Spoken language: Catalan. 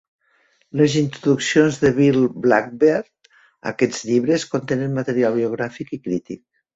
Les introduccions de Bill Blackbeard a aquests llibres contenen material biogràfic i crític.